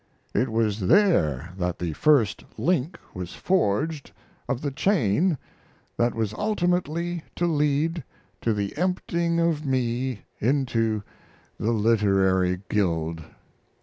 It was there that the first link was forged of the chain that was ultimately to lead to the emptying of me into the literary guild.